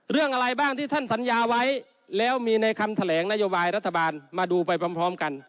เรื่องอะไรบ้างที่ท่านสัญญาไว้แล้วมีในคำแถลงนโยบายรัฐบาลมาดูไปพร้อมกัน